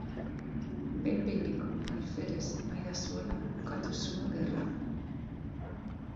Behin-behineko alferez maila zuela bukatu zuen gerra.